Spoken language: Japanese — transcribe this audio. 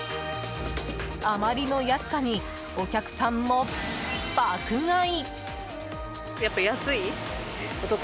あまりの安さにお客さんも爆買い！